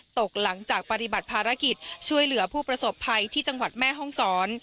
ตกหลังจากปฏิบัติภารกิจช่วยเหลือผู้ประสบภัยที่จังหวัดแม่ห้องศร